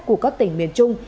của các tỉnh miền trung